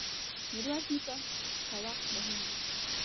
ميرويس نيکه ته وخت مهم و.